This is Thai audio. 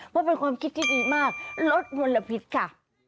เพราะเป็นความคิดที่ดีมากลดมลพิษค่ะ